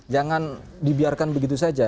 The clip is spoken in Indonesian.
jangan dibiarkan begitu saja